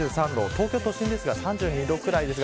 東京都心３２度くらいです。